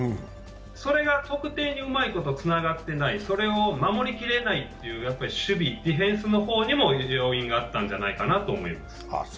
それが得点にうまいことつながってない、それを守りきれないという守備、ディフェンスの方にも要因があったんじゃないかなと思います。